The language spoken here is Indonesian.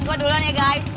gue duluan ya guys